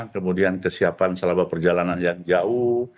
kemudian kesiapan selama perjalanan yang jauh